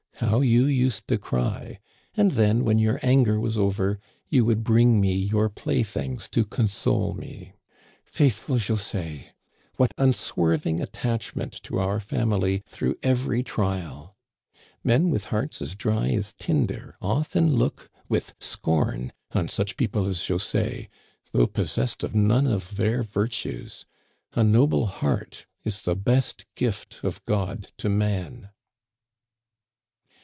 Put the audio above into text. How you used to cry! And then, when your anger was over, you would bring me your playthings to console me." 7 Digitized by VjOOQIC 98 THE CANADIANS. OF OLD, " Faithful José ! what unswerving attachment to our family through every trial ! Men with hearts as dry as tinder often look with scorn on such people as José, though possessed of none of their virtues. A noble heart is the best gift of God to man.